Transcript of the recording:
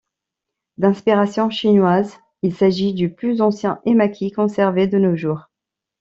D’inspiration chinoise, il s’agit du plus ancien emaki conservé de nos jours.